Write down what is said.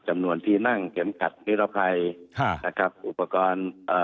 จำนวนที่นั่งเข็มขัดนิรภัยค่ะนะครับอุปกรณ์เอ่อ